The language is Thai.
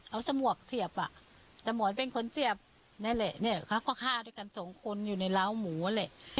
เอาสมวกเสียบอ่ะสมรเป็นคนเสียบนั่นแหละเนี่ยเขาก็ฆ่าด้วยกันสองคนอยู่ในร้าวหมูแหละ